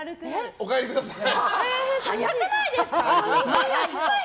お帰りください！